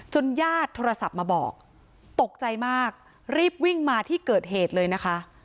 ญาติโทรศัพท์มาบอกตกใจมากรีบวิ่งมาที่เกิดเหตุเลยนะคะ